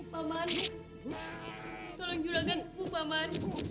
pak man tolong juragan sepupu pak man